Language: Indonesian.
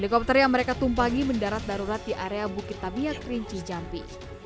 helikopter yang mereka tumpangi mendarat darurat di area bukit tabiat rinci jambi